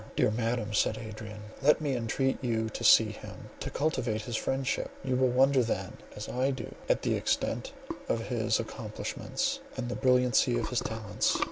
"Dear Madam," said Adrian, "let me entreat you to see him, to cultivate his friendship. You will wonder then, as I do, at the extent of his accomplishments, and the brilliancy of his talents."